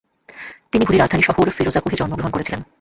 তিনি ঘুরি রাজধানী শহর ফিরোজকোহে জন্মগ্রহণ করেছিলেন।